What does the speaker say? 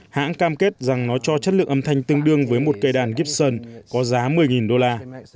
hãng cam kết rằng nó cho chất lượng âm thanh tương đương với một cây đàn gibson có giá một mươi đô la